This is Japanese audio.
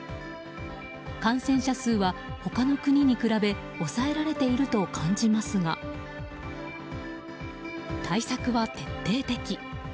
感染者数は他の国に比べ抑えられていると感じますが対策は徹底的。